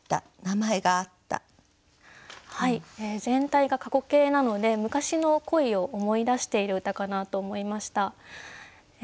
全体が過去形なので昔の恋を思い出している歌かなと思いました。